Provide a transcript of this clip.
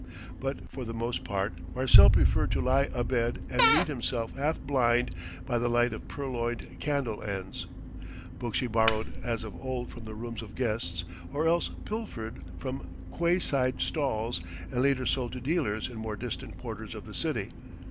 But for the most part Marcel preferred to lie abed and read himself half blind by the light of purloined candle ends. Books he borrowed as of old from the rooms of guests or else pilfered from quai side stalls and later sold to dealers in more distant quarters of the city.